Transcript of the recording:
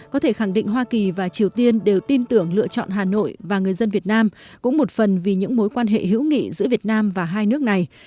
có thể khẳng định hoa kỳ và triều tiên đều tin tưởng lựa chọn hà nội và người dân việt nam cũng một phần vì những mối quan hệ hữu nghị giữa việt nam và hai nước này